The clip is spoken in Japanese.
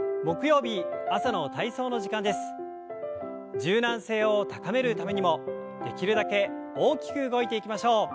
柔軟性を高めるためにもできるだけ大きく動いていきましょう。